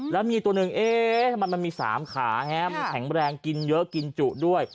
แล้วมีตัวหนึ่งมันมี๓ขาแข็งแรงกินเยอะกินจุด้วย